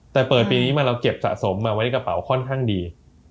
แต่เปิดปีนี้มาเราเก็บสะสมมาไว้ในกระเป๋าค่อนข้างดี